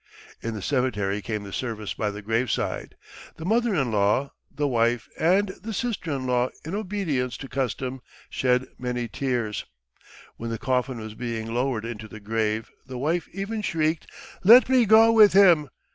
In the cemetery came the service by the graveside. The mother in law, the wife, and the sister in law in obedience to custom shed many tears. When the coffin was being lowered into the grave the wife even shrieked "Let me go with him!"